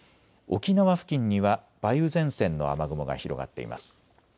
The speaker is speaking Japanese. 沖縄付近には梅雨前線の雨雲が広がっています。